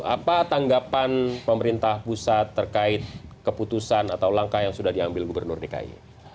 apa tanggapan pemerintah pusat terkait keputusan atau langkah yang sudah diambil gubernur dki